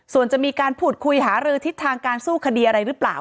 ส่วนจะมีการพูดคุยหารือทิศทางการสู้คดีอะไรหรือเปล่า